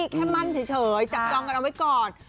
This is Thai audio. แค่มั่นเฉยจับจองกันเอาไว้ก่อน